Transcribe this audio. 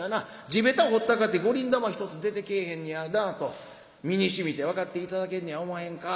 地べた掘ったかて五厘玉一つ出てけぇへんねやなと身にしみて分かって頂けんねやおまへんか』